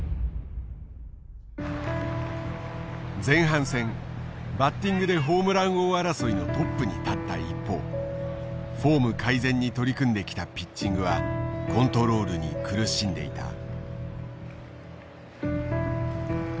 前半戦バッティングでホームラン王争いのトップに立った一方フォーム改善に取り組んできたピッチングはコントロールに苦しんでいた。